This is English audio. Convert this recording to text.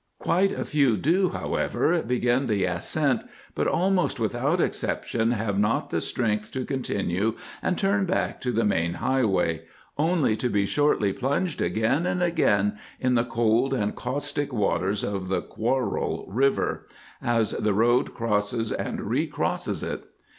Quite a few do, however, begin the ascent, but almost without exception have not the strength to continue and turn back to the main highway, only to be shortly plunged again and again in the cold and caustic waters of the Quarrel River as the road crosses and recrosses it.